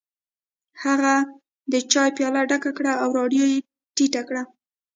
هغه د چای پیاله ډکه کړه او رادیو یې ټیټه کړه